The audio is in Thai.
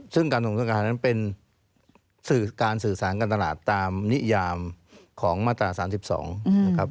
ซึ่งการส่งเครื่องการนั้นเป็นการสื่อสารการตลาดตามนิยามของมาตรา๓๒นะครับ